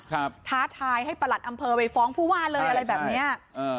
ท้าทายให้ประหลัดอำเภอไปฟ้องผู้ว่าเลยอะไรแบบเนี้ยอ่า